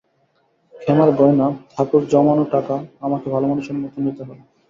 ক্ষেমার গয়না, থাকোর জমানো টাকা, আমাকে ভালোমানুষের মতো নিতে হল।